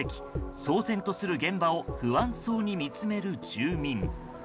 騒然とする現場を不安そうに見つめる住民。